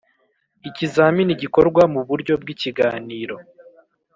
Ikizamini gikorwa mu buryo bw’ ikiganiro .